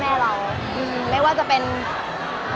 มันเป็นเรื่องน่ารักที่เวลาเจอกันเราต้องแซวอะไรอย่างเงี้ย